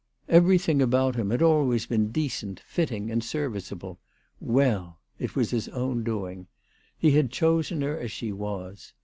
Everything about him had always been decent, fitting, and serviceable ! Well ! It was his own doing. He had chosen her as she was. THE TELEGRAPH GIRL.